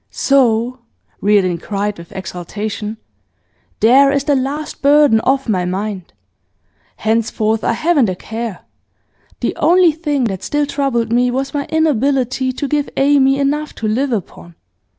'So,' Reardon cried with exultation, 'there is the last burden off my mind! Henceforth I haven't a care! The only thing that still troubled me was my inability to give Amy enough to live upon.